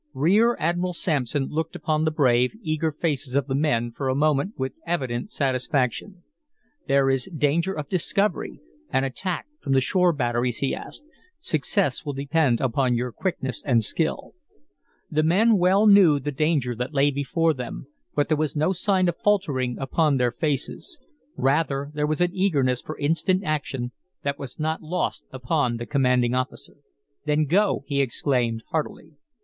Rear Admiral Sampson looked upon the brave, eager faces of the men for a moment with evident satisfaction. "There is danger of discovery, and attack from the shore batteries," he added. "Success will depend upon your quickness and skill." The men well knew the danger that lay before them, but there was no sign of faltering upon their faces. Rather, there was an eagerness for instant action that was not lost upon the commanding officer. "Then go!" he exclaimed, heartily.